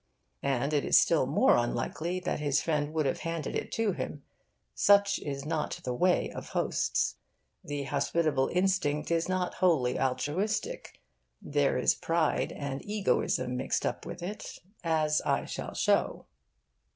And it is still more unlikely that his friend would have handed it to him. Such is not the way of hosts. The hospitable instinct is not wholly altruistic. There is pride and egoism mixed up with it, as I shall show.